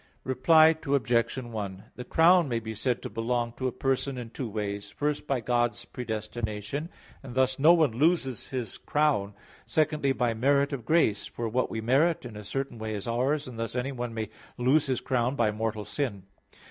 Reply Obj. 1: The crown may be said to belong to a person in two ways; first, by God's predestination, and thus no one loses his crown: secondly, by the merit of grace; for what we merit, in a certain way is ours; and thus anyone may lose his crown by mortal sin.